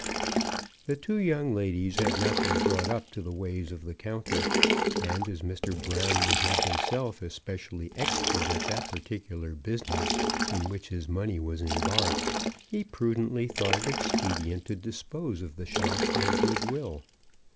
The two young ladies had not been brought up to the ways of the counter; and as Mr. Brown was not himself especially expert at that particular business in which his money was embarked, he prudently thought it expedient to dispose of the shop and goodwill.